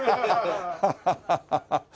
ハハハハハ。